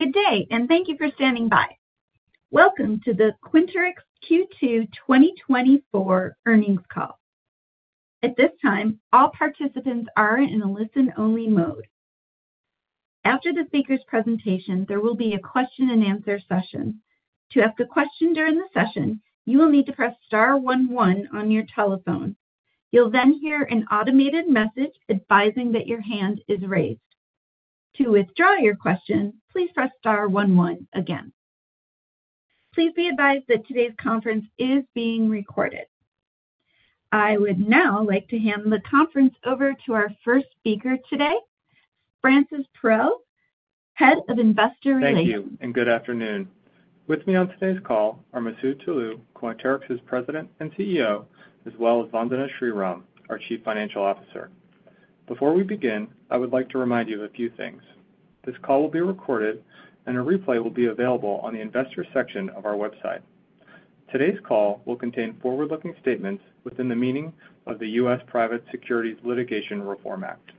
Good day, and thank you for standing by. Welcome to the Quanterix Q2 2024 Earnings Call. At this time, all participants are in a listen-only mode. After the speaker's presentation, there will be a question-and-answer session. To ask a question during the session, you will need to press star one one on your telephone. You'll then hear an automated message advising that your hand is raised. To withdraw your question, please press star one one again. Please be advised that today's conference is being recorded. I would now like to hand the conference over to our first speaker today, Francis Perrault, Head of Investor Relations. Thank you, and good afternoon. With me on today's call are Masoud Toloue, Quanterix's President and CEO, as well as Vandana Sriram, our Chief Financial Officer. Before we begin, I would like to remind you of a few things. This call will be recorded, and a replay will be available on the Investors section of our website. Today's call will contain forward-looking statements within the meaning of the U.S. Private Securities Litigation Reform Act.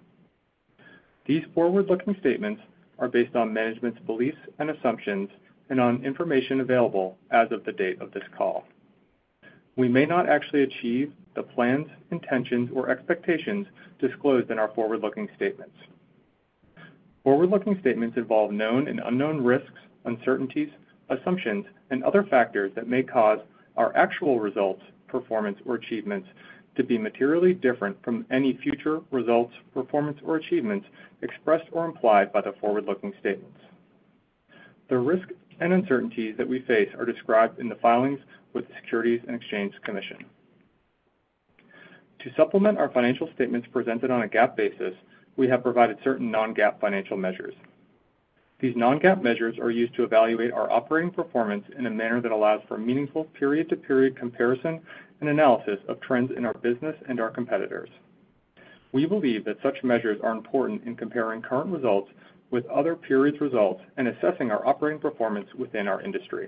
These forward-looking statements are based on management's beliefs and assumptions and on information available as of the date of this call. We may not actually achieve the plans, intentions, or expectations disclosed in our forward-looking statements. Forward-looking statements involve known and unknown risks, uncertainties, assumptions, and other factors that may cause our actual results, performance, or achievements to be materially different from any future results, performance, or achievements expressed or implied by the forward-looking statements. The risks and uncertainties that we face are described in the filings with the Securities and Exchange Commission. To supplement our financial statements presented on a GAAP basis, we have provided certain non-GAAP financial measures. These non-GAAP measures are used to evaluate our operating performance in a manner that allows for meaningful period-to-period comparison and analysis of trends in our business and our competitors. We believe that such measures are important in comparing current results with other periods' results and assessing our operating performance within our industry.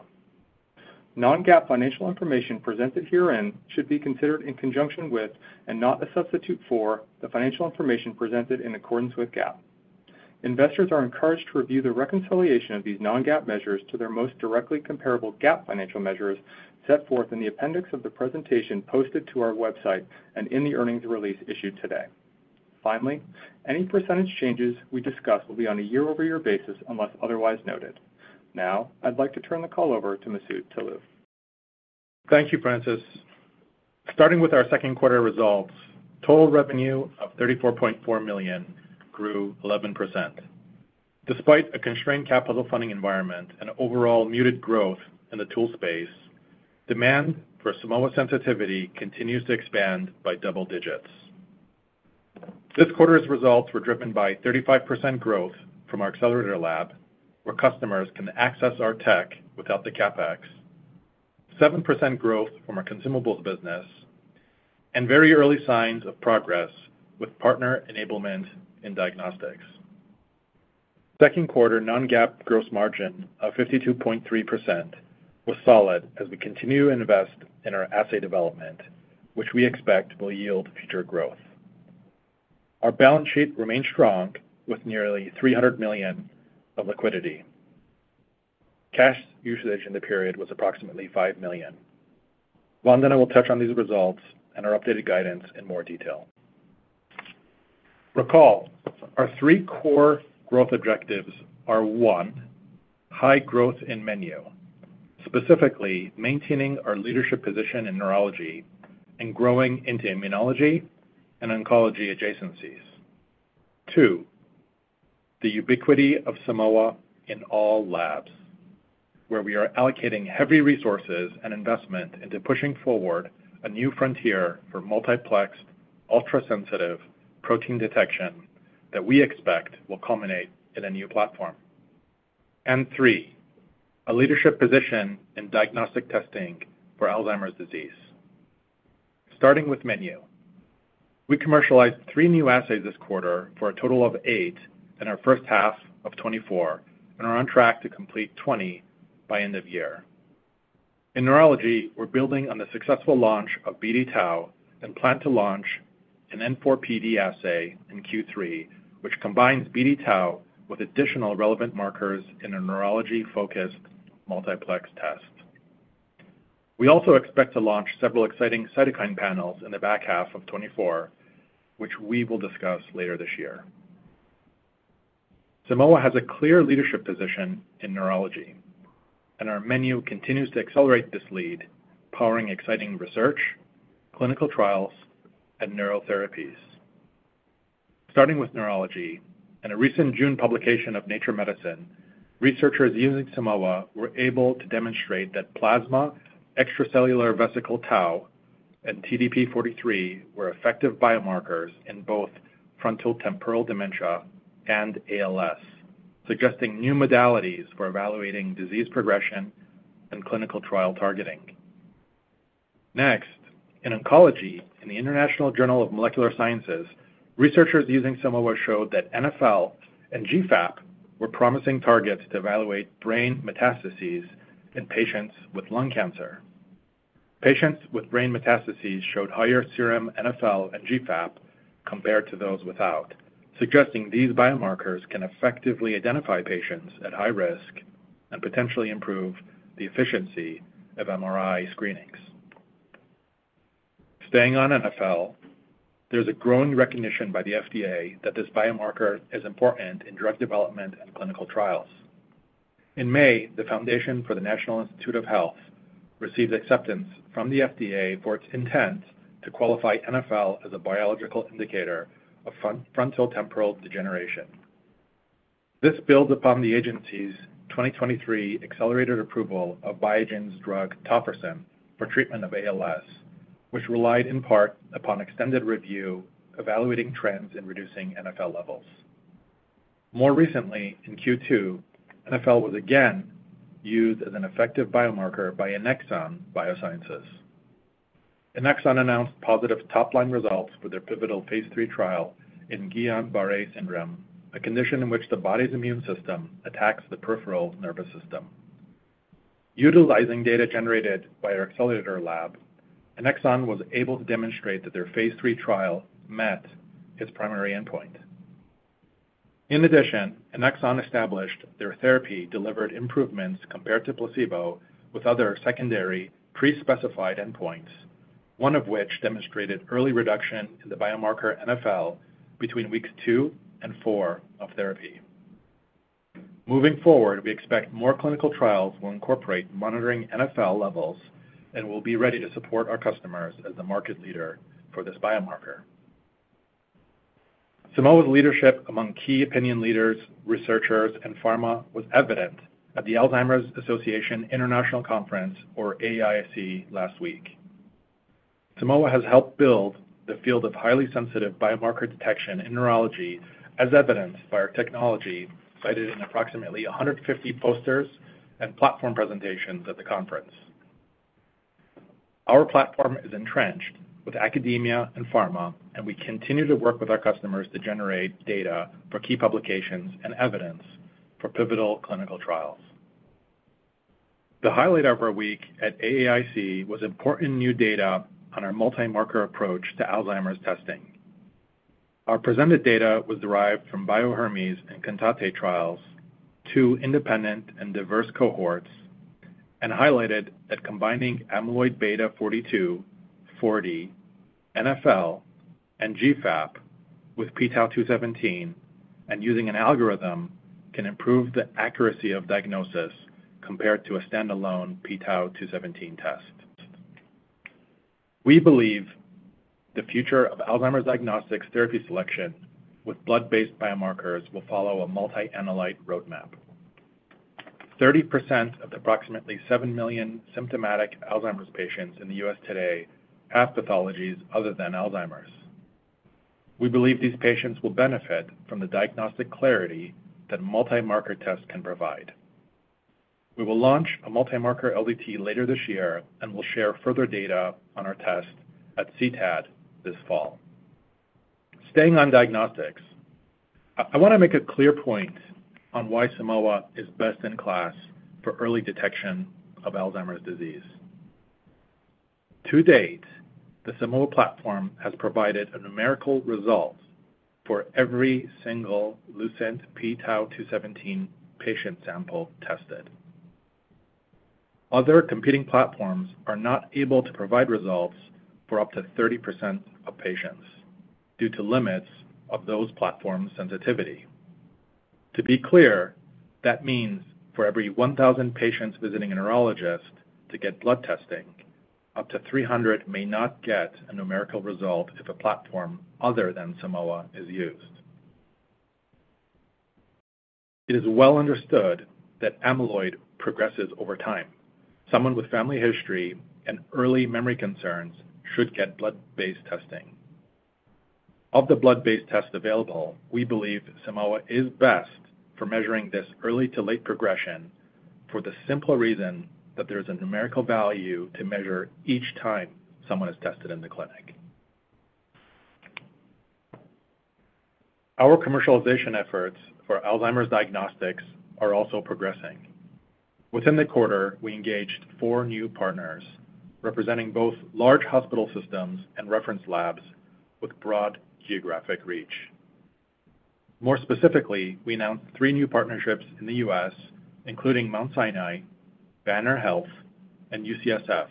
Non-GAAP financial information presented herein should be considered in conjunction with, and not a substitute for, the financial information presented in accordance with GAAP. Investors are encouraged to review the reconciliation of these non-GAAP measures to their most directly comparable GAAP financial measures set forth in the appendix of the presentation posted to our website and in the earnings release issued today. Finally, any percentage changes we discuss will be on a year-over-year basis, unless otherwise noted. Now, I'd like to turn the call over to Masoud Toloue. Thank you, Francis. Starting with our second quarter results, total revenue of $34.4 million grew 11%. Despite a constrained capital funding environment and overall muted growth in the tool space, demand for Simoa sensitivity continues to expand by double digits. This quarter's results were driven by 35% growth from our accelerator lab, where customers can access our tech without the CapEx, 7% growth from our consumables business, and very early signs of progress with partner enablement in diagnostics. Second quarter non-GAAP gross margin of 52.3% was solid as we continue to invest in our assay development, which we expect will yield future growth. Our balance sheet remains strong, with nearly $300 million of liquidity. Cash usage in the period was approximately $5 million. Vandana will touch on these results and our updated guidance in more detail. Recall, our three core growth objectives are, one, high growth in menu, specifically maintaining our leadership position in neurology and growing into immunology and oncology adjacencies. Two, the ubiquity of Simoa in all labs, where we are allocating heavy resources and investment into pushing forward a new frontier for multiplexed, ultrasensitive protein detection that we expect will culminate in a new platform. And three, a leadership position in diagnostic testing for Alzheimer's disease. Starting with menu, we commercialized 3 new assays this quarter for a total of 8 in our first half of 2024, and are on track to complete 20 by end of year. In neurology, we're building on the successful launch of BD-Tau and plan to launch an N4PD assay in Q3, which combines BD-Tau with additional relevant markers in a neurology-focused multiplex test. We also expect to launch several exciting cytokine panels in the back half of 2024, which we will discuss later this year. Simoa has a clear leadership position in neurology, and our menu continues to accelerate this lead, powering exciting research, clinical trials, and neurotherapies. Starting with neurology, in a recent June publication of Nature Medicine, researchers using Simoa were able to demonstrate that plasma, extracellular vesicle tau, and TDP-43 were effective biomarkers in both frontotemporal dementia and ALS, suggesting new modalities for evaluating disease progression and clinical trial targeting. Next, in oncology, in the International Journal of Molecular Sciences, researchers using Simoa showed that NfL and GFAP were promising targets to evaluate brain metastases in patients with lung cancer. Patients with brain metastases showed higher serum NfL and GFAP compared to those without, suggesting these biomarkers can effectively identify patients at high risk and potentially improve the efficiency of MRI screenings. Staying on NfL, there's a growing recognition by the FDA that this biomarker is important in drug development and clinical trials. In May, the Foundation for the National Institute of Health received acceptance from the FDA for its intent to qualify NfL as a biological indicator of frontotemporal degeneration. This builds upon the agency's 2023 accelerated approval of Biogen's drug, tofersen, for treatment of ALS, which relied in part upon extended review, evaluating trends in reducing NfL levels. More recently, in Q2, NfL was again used as an effective biomarker by Annexon Biosciences. Annexon announced positive top-line results for their pivotal phase III trial in Guillain-Barré syndrome, a condition in which the body's immune system attacks the peripheral nervous system. Utilizing data generated by our accelerator lab, Annexon was able to demonstrate that their phase III trial met its primary endpoint. In addition, Annexon established their therapy delivered improvements compared to placebo with other secondary pre-specified endpoints, one of which demonstrated early reduction in the biomarker NfL between weeks 2 and 4 of therapy. Moving forward, we expect more clinical trials will incorporate monitoring NfL levels, and we'll be ready to support our customers as the market leader for this biomarker. Simoa's leadership among key opinion leaders, researchers, and pharma was evident at the Alzheimer's Association International Conference, or AAIC, last week. Simoa has helped build the field of highly sensitive biomarker detection in neurology, as evidenced by our technology, cited in approximately 150 posters and platform presentations at the conference. Our platform is entrenched with academia and pharma, and we continue to work with our customers to generate data for key publications and evidence for pivotal clinical trials. The highlight of our week at AAIC was important new data on our multi-marker approach to Alzheimer's testing. Our presented data was derived from Bio-Hermes and CANTATE trials, two independent and diverse cohorts, and highlighted that combining amyloid beta 42, 40, NfL, and GFAP with p-Tau 217, and using an algorithm, can improve the accuracy of diagnosis compared to a standalone p-Tau 217 test. We believe the future of Alzheimer's diagnostics therapy selection with blood-based biomarkers will follow a multi-analyte roadmap. 30% of the approximately 7 million symptomatic Alzheimer's patients in the U.S. today have pathologies other than Alzheimer's. We believe these patients will benefit from the diagnostic clarity that multi-marker tests can provide. We will launch a multi-marker LDT later this year, and we'll share further data on our test at CTAD this fall. Staying on diagnostics, I wanna make a clear point on why Simoa is best in class for early detection of Alzheimer's disease. To date, the Simoa platform has provided a numerical result for every single Lucent p-Tau 217 patient sample tested. Other competing platforms are not able to provide results for up to 30% of patients due to limits of those platforms' sensitivity. To be clear, that means for every 1,000 patients visiting a neurologist to get blood testing, up to 300 may not get a numerical result if a platform other than Simoa is used. It is well understood that amyloid progresses over time. Someone with family history and early memory concerns should get blood-based testing. Of the blood-based tests available, we believe Simoa is best for measuring this early to late progression for the simple reason that there is a numerical value to measure each time someone is tested in the clinic. Our commercialization efforts for Alzheimer's diagnostics are also progressing. Within the quarter, we engaged four new partners, representing both large hospital systems and reference labs with broad geographic reach. More specifically, we announced three new partnerships in the U.S., including Mount Sinai, Banner Health, and UCSF,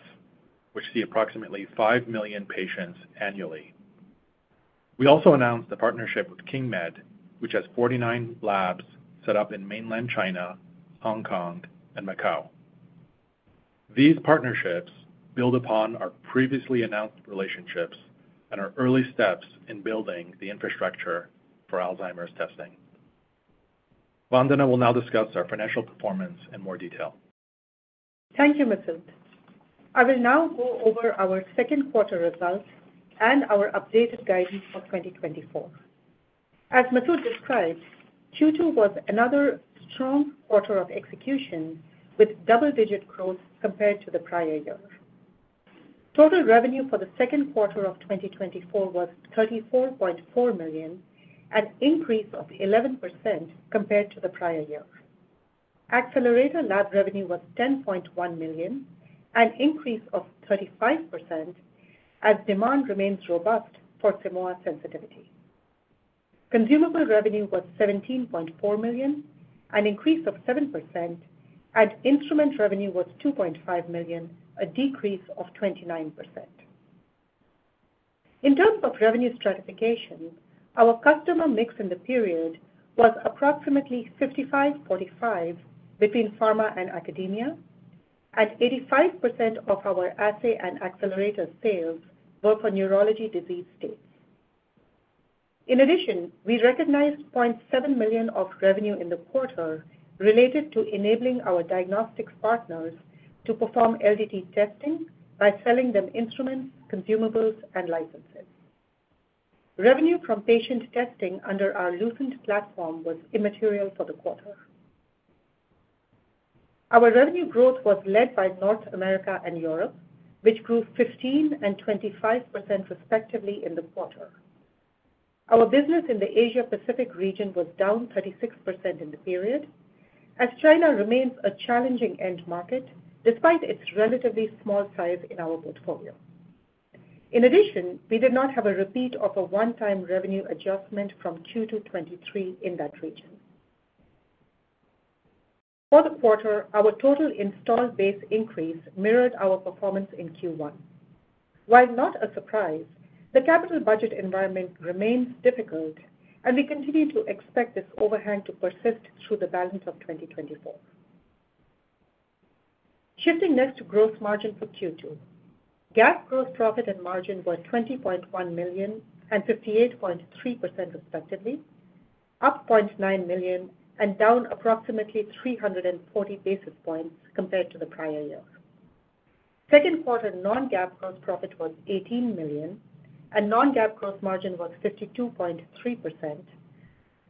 which see approximately 5 million patients annually. We also announced a partnership with KingMed, which has 49 labs set up in mainland China, Hong Kong, and Macau. These partnerships build upon our previously announced relationships and are early steps in building the infrastructure for Alzheimer's testing. Vandana will now discuss our financial performance in more detail. Thank you, Masoud. I will now go over our second quarter results and our updated guidance for 2024. As Masoud described, Q2 was another strong quarter of execution, with double-digit growth compared to the prior year. Total revenue for the second quarter of 2024 was $34.4 million, an increase of 11% compared to the prior year. Accelerator lab revenue was $10.1 million, an increase of 35%, as demand remains robust for Simoa sensitivity. Consumable revenue was $17.4 million, an increase of 7%, and instrument revenue was $2.5 million, a decrease of 29%. In terms of revenue stratification, our customer mix in the period was approximately 55/45 between pharma and academia, and 85% of our assay and accelerator sales were for neurology disease states. In addition, we recognized $0.7 million of revenue in the quarter related to enabling our diagnostics partners to perform LDT testing by selling them instruments, consumables, and licenses. Revenue from patient testing under our Lucent platform was immaterial for the quarter. Our revenue growth was led by North America and Europe, which grew 15% and 25%, respectively, in the quarter. Our business in the Asia Pacific region was down 36% in the period, as China remains a challenging end market despite its relatively small size in our portfolio. In addition, we did not have a repeat of a one-time revenue adjustment from Q2 2023 in that region. For the quarter, our total installed base increase mirrored our performance in Q1. While not a surprise, the capital budget environment remains difficult, and we continue to expect this overhang to persist through the balance of 2024. Shifting next to gross margin for Q2. GAAP gross profit and margin were $20.1 million and 58.3%, respectively, up $0.9 million and down approximately 340 basis points compared to the prior year. Second quarter non-GAAP gross profit was $18 million, and non-GAAP gross margin was 52.3%,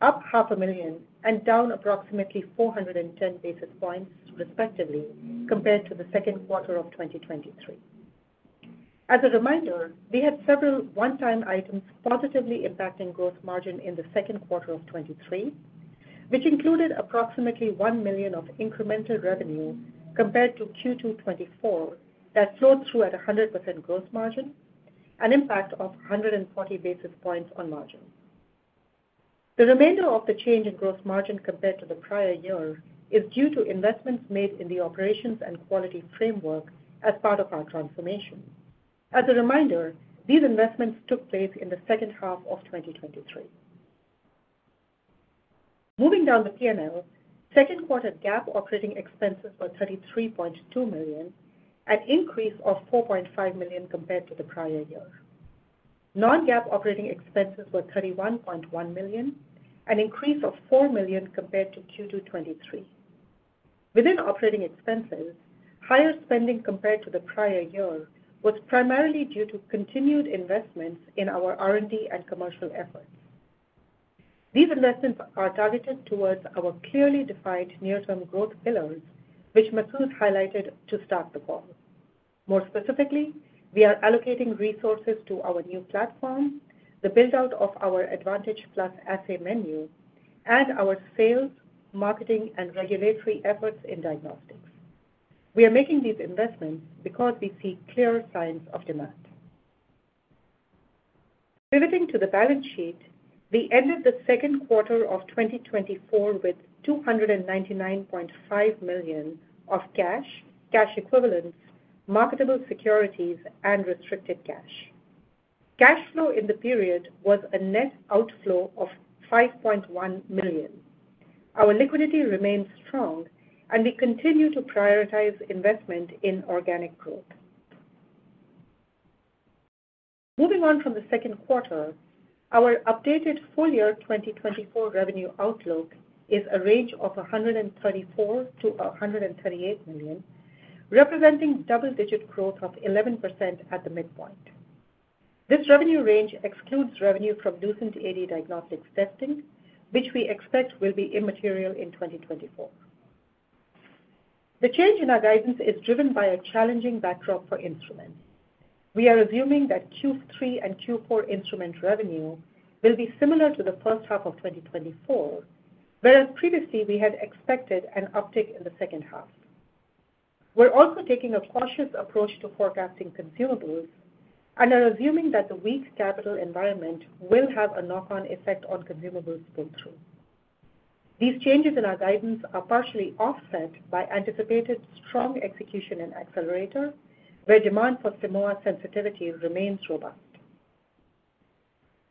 up $0.5 million and down approximately 410 basis points, respectively, compared to the second quarter of 2023. As a reminder, we had several one-time items positively impacting gross margin in the second quarter of 2023, which included approximately $1 million of incremental revenue compared to Q2 2024, that flowed through at a 100% gross margin, an impact of 140 basis points on margin. The remainder of the change in gross margin compared to the prior year is due to investments made in the operations and quality framework as part of our transformation. As a reminder, these investments took place in the second half of 2023. Moving down the P&L, second quarter GAAP operating expenses were $33.2 million, an increase of $4.5 million compared to the prior year. Non-GAAP operating expenses were $31.1 million, an increase of $4 million compared to Q2 2023. Within operating expenses, higher spending compared to the prior year was primarily due to continued investments in our R&D and commercial efforts. These investments are targeted towards our clearly defined near-term growth pillars, which Masoud highlighted to start the call. More specifically, we are allocating resources to our new platform, the build-out of our Advantage Plus assay menu, and our sales, marketing, and regulatory efforts in diagnostics. We are making these investments because we see clear signs of demand. Pivoting to the balance sheet, we ended the second quarter of 2024 with $299.5 million of cash, cash equivalents, marketable securities, and restricted cash. Cash flow in the period was a net outflow of $5.1 million. Our liquidity remains strong, and we continue to prioritize investment in organic growth. Moving on from the second quarter, our updated full-year 2024 revenue outlook is a range of $134 million to $138 million, representing double-digit growth of 11% at the midpoint. This revenue range excludes revenue from Lucent AD diagnostic testing, which we expect will be immaterial in 2024. The change in our guidance is driven by a challenging backdrop for instruments. We are assuming that Q3 and Q4 instrument revenue will be similar to the first half of 2024, whereas previously we had expected an uptick in the second half. We're also taking a cautious approach to forecasting consumables and are assuming that the weak capital environment will have a knock-on effect on consumables pull-through. These changes in our guidance are partially offset by anticipated strong execution and Accelerator, where demand for Simoa sensitivity remains robust.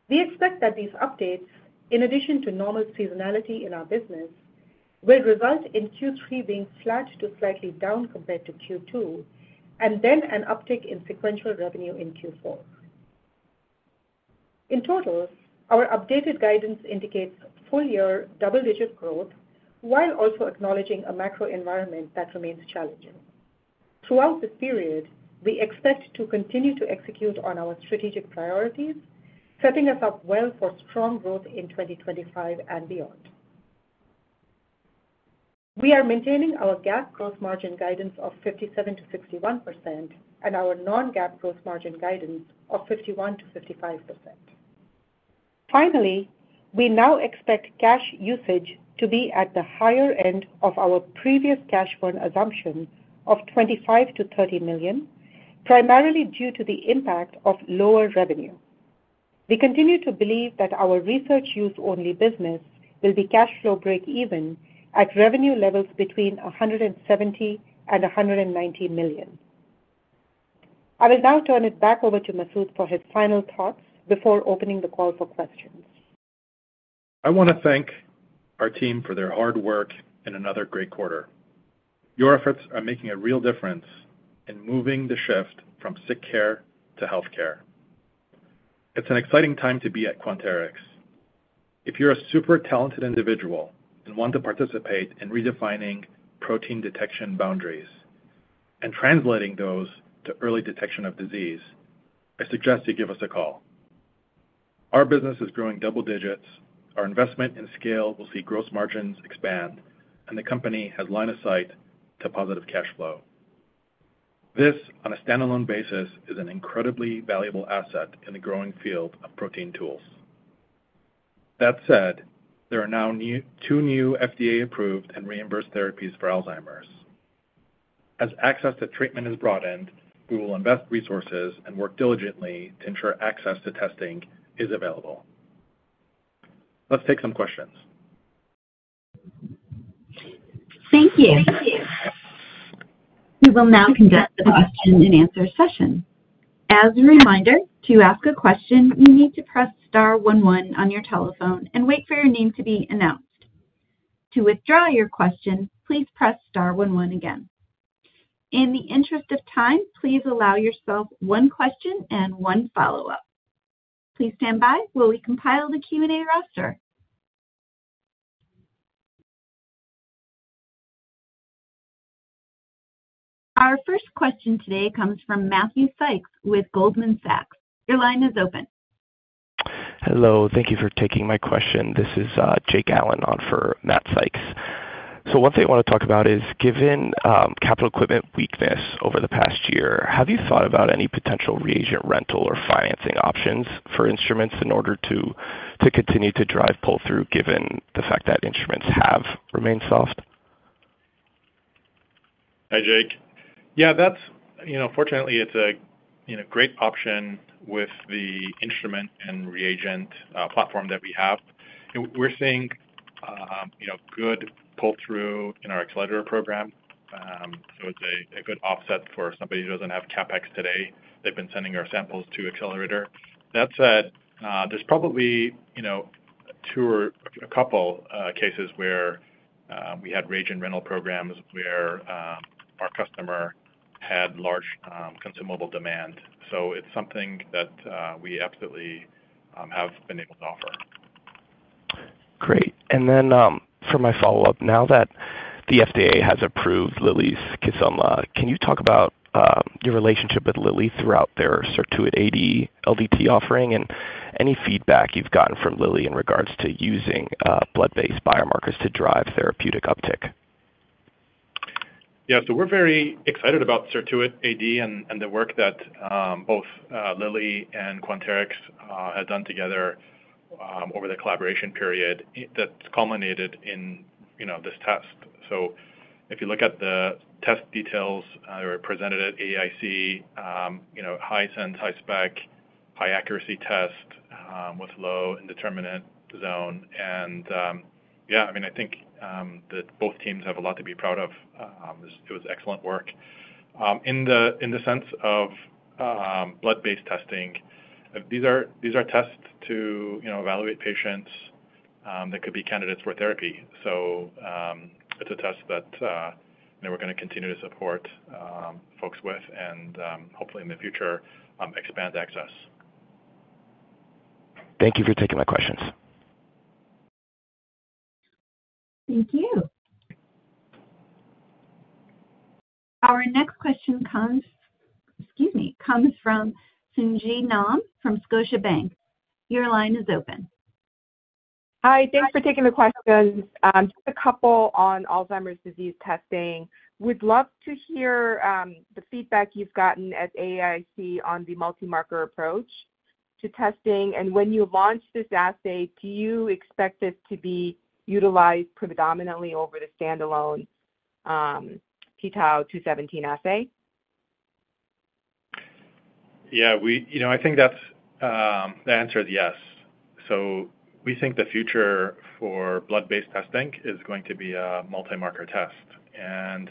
We expect that these updates, in addition to normal seasonality in our business, will result in Q3 being flat to slightly down compared to Q2, and then an uptick in sequential revenue in Q4. In total, our updated guidance indicates full-year double-digit growth, while also acknowledging a macro environment that remains challenging. Throughout this period, we expect to continue to execute on our strategic priorities, setting us up well for strong growth in 2025 and beyond. We are maintaining our GAAP growth margin guidance of 57% to 61% and our non-GAAP growth margin guidance of 51% to 55%. Finally, we now expect cash usage to be at the higher end of our previous cash burn assumption of $25 million to $30 million, primarily due to the impact of lower revenue. We continue to believe that our research use-only business will be cash flow breakeven at revenue levels between $170 million and $190 million. I will now turn it back over to Masoud for his final thoughts before opening the call for questions. I want to thank our team for their hard work and another great quarter. Your efforts are making a real difference in moving the shift from sick care to health care. It's an exciting time to be at Quanterix. If you're a super talented individual and want to participate in redefining protein detection boundaries and translating those to early detection of disease, I suggest you give us a call. Our business is growing double digits, our investment in scale will see gross margins expand, and the company has line of sight to positive cash flow. This, on a standalone basis, is an incredibly valuable asset in the growing field of protein tools. That said, there are now two new FDA-approved and reimbursed therapies for Alzheimer's. As access to treatment is broadened, we will invest resources and work diligently to ensure access to testing is available. Let's take some questions. Thank you. We will now conduct the question and answer session. As a reminder, to ask a question, you need to press star one one on your telephone and wait for your name to be announced. To withdraw your question, please press star one one again. In the interest of time, please allow yourself one question and one follow-up. Please stand by while we compile the Q&A roster. Our first question today comes from Matthew Sykes with Goldman Sachs. Your line is open. Hello, thank you for taking my question. This is Jake Allen on for Matt Sykes. So one thing I want to talk about is, given capital equipment weakness over the past year, have you thought about any potential reagent rental or financing options for instruments in order to continue to drive pull-through, given the fact that instruments have remained soft? Hi, Jake. Yeah, that's—you know, fortunately, it's a, you know, great option with the instrument and reagent platform that we have. We're seeing, you know, good pull-through in our Accelerator program. So it's a good offset for somebody who doesn't have CapEx today. They've been sending our samples to Accelerator. That said, there's probably, you know, two or a couple cases where we had reagent rental programs where our customer had large consumable demand. So it's something that we absolutely have been able to offer. Great. And then, for my follow-up, now that the FDA has approved Lilly's Kisunla, can you talk about, your relationship with Lilly throughout their Certuit AD LDT offering, and any feedback you've gotten from Lilly in regards to using, blood-based biomarkers to drive therapeutic uptick? Yeah, so we're very excited about Certuit AD and the work that both Lilly and Quanterix have done together over the collaboration period that's culminated in, you know, this test. So if you look at the test details presented at AAIC, you know, high sense, high spec, high accuracy test with low indeterminate zone. And yeah, I mean, I think that both teams have a lot to be proud of. It was excellent work. In the sense of blood-based testing, these are tests to, you know, evaluate patients that could be candidates for therapy. So it's a test that, you know, we're going to continue to support folks with and hopefully in the future expand access. Thank you for taking my questions. Thank you. Our next question comes, excuse me, comes from Sung Ji Nam from Scotiabank. Your line is open. Hi, thanks for taking the questions. Just a couple on Alzheimer's disease testing. We'd love to hear the feedback you've gotten at AAIC on the multi-marker approach to testing. And when you launch this assay, do you expect it to be utilized predominantly over the standalone p-Tau 217 assay? Yeah, you know, I think that's the answer is yes. So we think the future for blood-based testing is going to be a multi-marker test. And,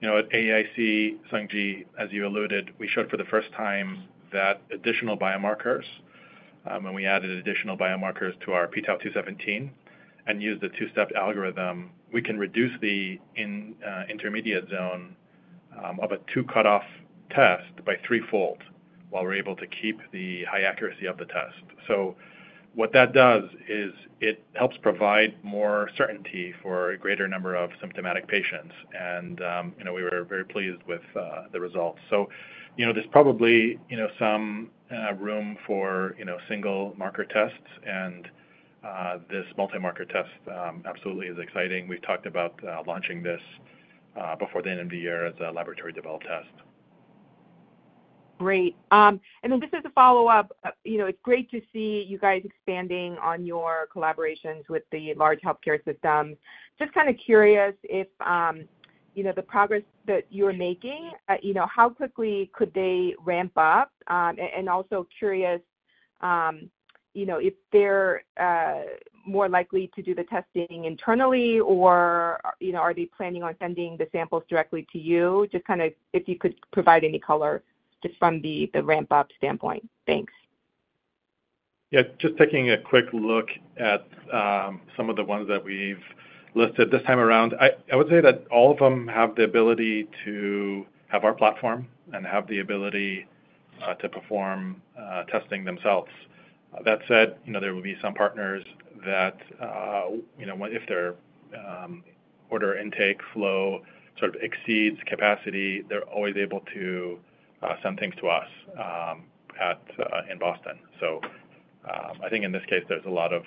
you know, at AAIC, Sung Ji, as you alluded, we showed for the first time that additional biomarkers, when we added additional biomarkers to our p-Tau 217 and used a two-step algorithm, we can reduce the intermediate zone of an Aβ42 cutoff test by threefold, while we're able to keep the high accuracy of the test. So what that does is it helps provide more certainty for a greater number of symptomatic patients, and, you know, we were very pleased with the results. So, you know, there's probably, you know, some room for, you know, single marker tests, and this multi-marker test absolutely is exciting. We've talked about launching this before the end of the year as a laboratory developed test. Great. And then just as a follow-up, you know, it's great to see you guys expanding on your collaborations with the large healthcare systems. Just kind of curious if, you know, the progress that you're making, you know, how quickly could they ramp up? And also curious, you know, if they're, more likely to do the testing internally, or, you know, are they planning on sending the samples directly to you? Just kind of if you could provide any color just from the ramp-up standpoint. Thanks. Yeah, just taking a quick look at some of the ones that we've listed this time around. I would say that all of them have the ability to have our platform and have the ability to perform testing themselves. That said, you know, there will be some partners that, you know, if their order intake flow sort of exceeds capacity, they're always able to send things to us at in Boston. So, I think in this case, there's a lot of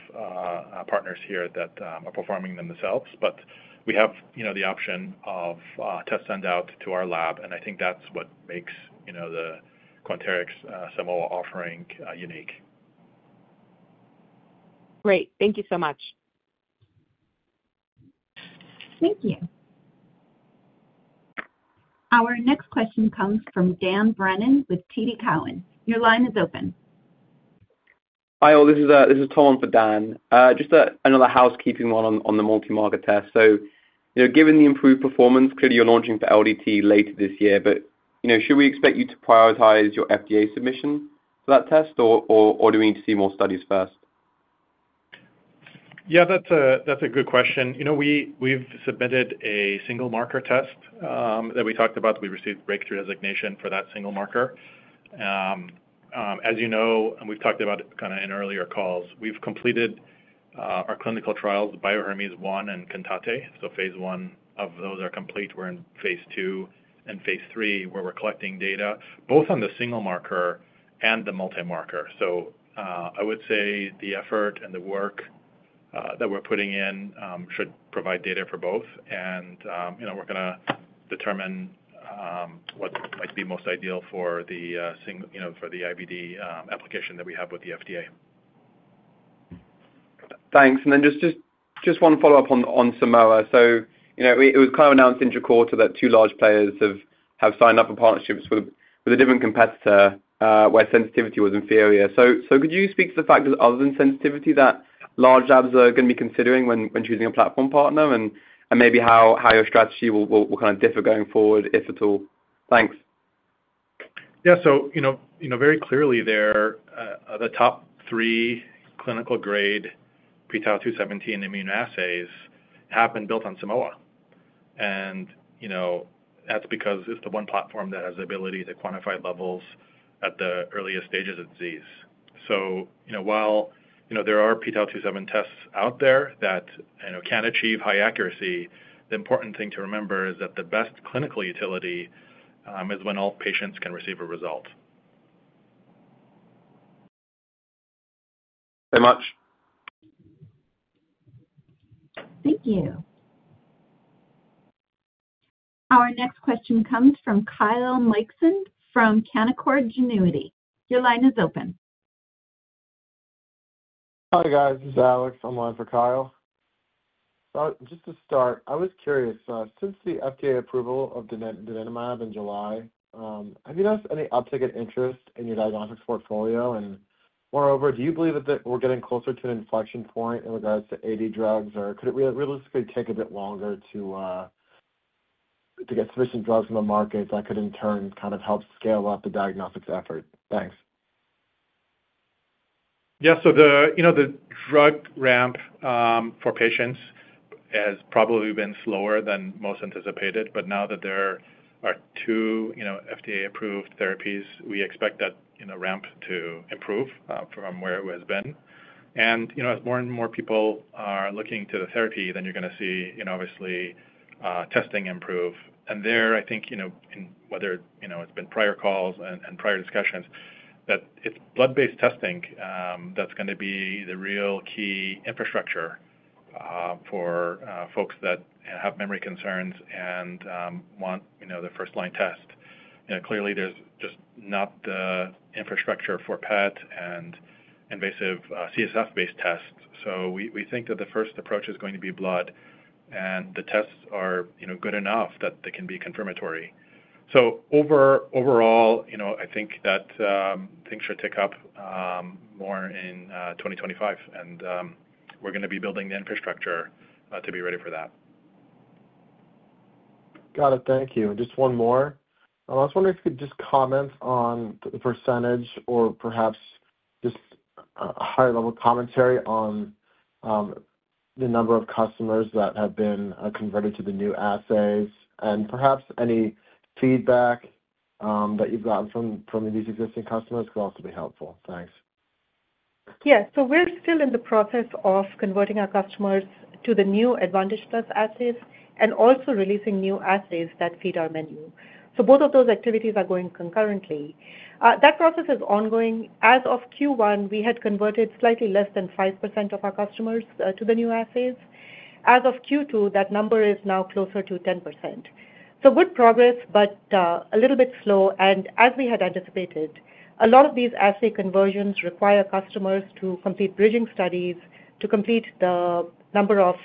partners here that are performing themselves. But we have, you know, the option of test send out to our lab, and I think that's what makes, you know, the Quanterix Simoa offering unique. Great. Thank you so much. Thank you. Our next question comes from Dan Brennan with TD Cowen. Your line is open. Hi, all. This is Tom for Dan. Just another housekeeping one on the multimarker test. So, you know, given the improved performance, clearly you're launching for LDT later this year, but, you know, should we expect you to prioritize your FDA submission for that test, or do we need to see more studies first? Yeah, that's a good question. You know, we've submitted a single marker test that we talked about. We received breakthrough designation for that single marker. As you know, and we've talked about kind of in earlier calls, we've completed our clinical trials, Bio-Hermes 1 and CANTATE. So phase I of those are complete. We're in phase II and phase III, where we're collecting data, both on the single marker and the multimarker. So, I would say the effort and the work that we're putting in should provide data for both. And, you know, we're gonna determine what might be most ideal for the, you know, for the IVD application that we have with the FDA. Thanks. Then just one follow-up on Simoa. So, you know, it was kind of announced in your quarter that two large players have signed up for partnerships with a different competitor, where sensitivity was inferior. So could you speak to the factors other than sensitivity that large labs are gonna be considering when choosing a platform partner? And maybe how your strategy will kind of differ going forward, if at all? Thanks. Yeah, so you know, you know, very clearly there, the top three clinical grade p-Tau 217 immunoassays have been built on Simoa. And, you know, that's because it's the one platform that has the ability to quantify levels at the earliest stages of disease. So, you know, while, you know, there are p-Tau 217 tests out there that, you know, can achieve high accuracy, the important thing to remember is that the best clinical utility is when all patients can receive a result. Very much. Thank you. Our next question comes from Kyle Mikson from Canaccord Genuity. Your line is open. Hi, guys. This is Alex. I'm live for Kyle. Just to start, I was curious, since the FDA approval of donanemab in July, have you noticed any uptick in interest in your diagnostics portfolio? And moreover, do you believe that we're getting closer to an inflection point in regards to AD drugs, or could it realistically take a bit longer to get sufficient drugs in the market that could, in turn, kind of help scale up the diagnostics effort? Thanks. Yeah, so the, you know, the drug ramp for patients has probably been slower than most anticipated, but now that there are two, you know, FDA-approved therapies, we expect that, you know, ramp to improve from where it has been. And, you know, as more and more people are looking to the therapy, then you're gonna see, you know, obviously testing improve. And there, I think, you know, and whether, you know, it's been prior calls and prior discussions, that it's blood-based testing that's gonna be the real key infrastructure for folks that have memory concerns and want, you know, the first line test. You know, clearly, there's just not the infrastructure for PET and invasive CSF-based tests. So we think that the first approach is going to be blood, and the tests are, you know, good enough that they can be confirmatory. So overall, you know, I think that things should tick up more in 2025, and we're gonna be building the infrastructure to be ready for that. Got it. Thank you. Just one more. I was wondering if you could just comment on the percentage or perhaps just a high-level commentary on the number of customers that have been converted to the new assays, and perhaps any feedback that you've gotten from these existing customers could also be helpful. Thanks. Yeah. So we're still in the process of converting our customers to the new Advantage Plus assays and also releasing new assays that feed our menu. So both of those activities are going concurrently. That process is ongoing. As of Q1, we had converted slightly less than 5% of our customers to the new assays. As of Q2, that number is now closer to 10%. So good progress, but a little bit slow. And as we had anticipated, a lot of these assay conversions require customers to complete bridging studies to complete the number of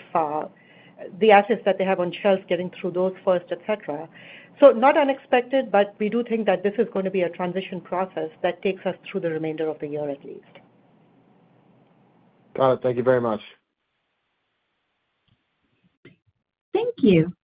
the assets that they have on shelves, getting through those first, et cetera. So not unexpected, but we do think that this is gonna be a transition process that takes us through the remainder of the year, at least. Got it. Thank you very much. Thank you.